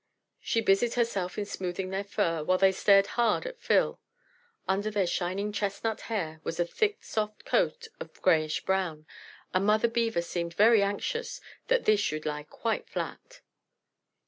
She busied herself in smoothing their fur, while they stared hard at Phil. Under their shining chestnut hair was a thick soft coat of greyish brown, and Mother Beaver seemed very anxious that this should lie quite flat.